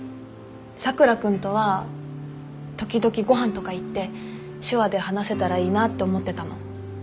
佐倉君とは時々ご飯とか行って手話で話せたらいいなって思ってたの。